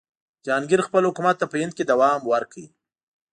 جهانګیر خپل حکومت ته په هند کې دوام ورکړ.